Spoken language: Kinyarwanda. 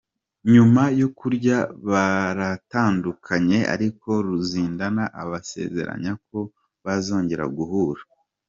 Nyuma yo kurya baratandukanye ariko Ruzindana abasezeranya ko bazongera guhura.